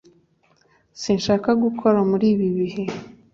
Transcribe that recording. sinshaka gukora muri ibi bihe